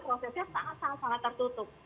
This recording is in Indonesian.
karena juga prosesnya sangat sangat tertutup